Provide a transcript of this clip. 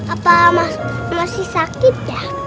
apa masih sakit ya